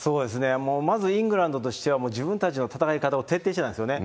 もうまずイングランドとしては自分たちの戦い方を徹底してたんですよね。